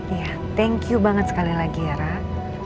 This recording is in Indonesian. iya terima kasih sekali lagi ya rak